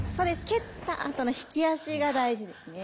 蹴ったあとの引き足が大事ですね